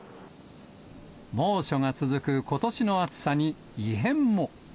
猛暑が続くことしの暑さに、異変も。